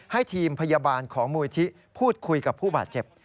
ให้ทีมพยาบาลของมูลที่พูดคุยกับผู้บาดเจ็บ